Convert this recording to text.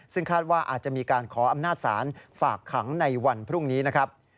ซึ่งคาดว่าอาจจะมีการขออำนาจศาลฝากขังในวันพรุ่งนี้นะครับ